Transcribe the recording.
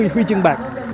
bốn mươi huy chương bạc